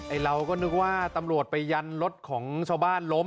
เราก็นึกว่าตำรวจไปยันรถของชาวบ้านล้ม